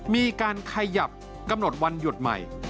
มีการขยับกำหนดวันหยุดใหม่